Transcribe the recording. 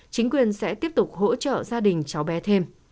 chính quyền sẽ tiếp tục hỗ trợ gia đình cháu bé thêm